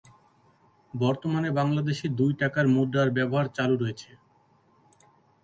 বর্তমানে বাংলাদেশে দুই টাকার মুদ্রার ব্যবহার চালু রয়েছে।